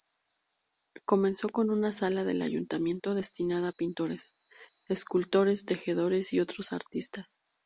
Comenzó con una sala del ayuntamiento destinada a pintores, escultores, tejedores y otros artistas.